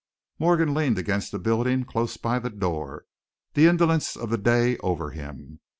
Morgan leaned against the building close by the door, the indolence of the day over him.